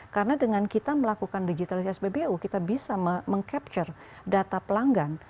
karena dengan kita melakukan digitalisasi spbu kita bisa mengcapture data pelanggan